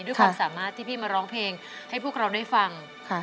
ด้วยความสามารถที่พี่มาร้องเพลงให้พวกเราได้ฟัง